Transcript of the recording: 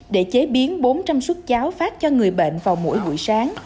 để chế biến bốn trăm linh suất cháo phát cho người bệnh vào mỗi buổi sáng